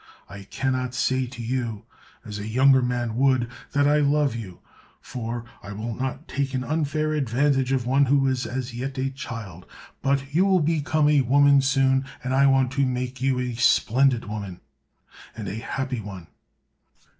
I cannot say to you, as a younger man would, that I love you, for I will not take an unfair advantage of one who is as yet a child. But you will become a woman soon, and I want to make you a splendid woman—and a happy one.